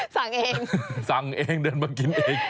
สั่งเองสั่งเองเดินมากินเอง